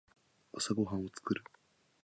朝ごはんを作る。